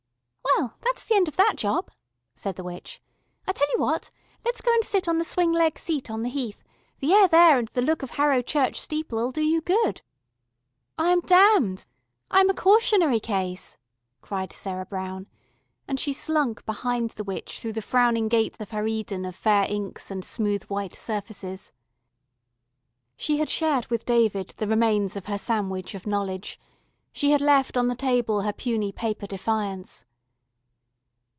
"Well, that's the end of that job," said the witch. "I'll tell you what, let's go and sit on the Swing leg Seat on the Heath. The air there and the look of Harrow church steeple'll do you good." "I am damned. I am a Cautionary Case," cried Sarah Brown, and she slunk behind the witch through the frowning gate of her Eden of fair inks and smooth white surfaces. She had shared with David the remains of her Sandwich of Knowledge; she had left on the table her puny paper defiance.